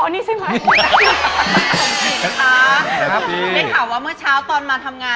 นี่ดีใจออกหน้าออกตามา